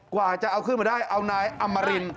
กว่าจะเอาขึ้นมาได้เอานายอมริน